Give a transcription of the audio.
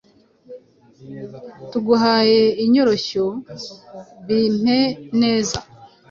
tuguhaye, Inyoroshyo, Bimpe neza,